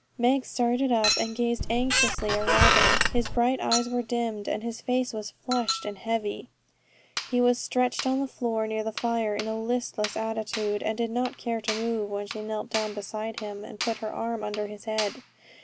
Meg started up, and gazed anxiously at Robin. His bright eyes were dimmed, and his face was flushed and heavy; he was stretched on the floor near the fire, in a listless attitude, and did not care to move, when she knelt down beside him, and put her arm under his head.